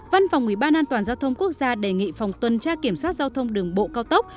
văn phòng ủy ban an toàn giao thông quốc gia đề nghị phòng tuần tra kiểm soát giao thông đường bộ cao tốc